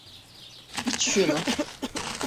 İç şunu.